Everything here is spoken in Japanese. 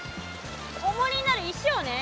おもりになる石をね